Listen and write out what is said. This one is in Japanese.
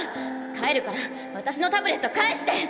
帰るから私のタブレット返して！